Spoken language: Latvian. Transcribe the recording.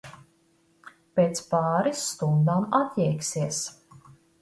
Pēc pāris stundām atjēgsies.